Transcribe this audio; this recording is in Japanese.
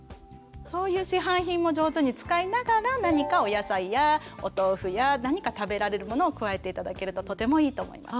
そういう市販品も上手に使いながら何かお野菜やお豆腐や何か食べられるものを加えて頂けるととてもいいと思います。